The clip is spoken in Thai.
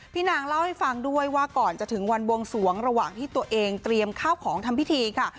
นางเล่าให้ฟังด้วยว่าก่อนจะถึงวันบวงสวงระหว่างที่ตัวเองเตรียมข้าวของทำพิธีค่ะ